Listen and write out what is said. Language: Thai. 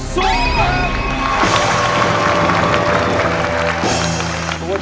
สู้ครับสู้ครับ